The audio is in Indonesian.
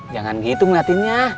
jangan gitu ngeliatinnya